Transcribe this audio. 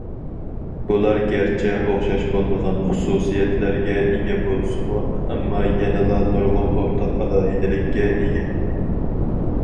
بۇلار گەرچە ئوخشاش بولمىغان خۇسۇسىيەتلەرگە ئىگە بولسىمۇ، ئەمما يەنىلا نۇرغۇن ئورتاق ئالاھىدىلىككە ئىگە.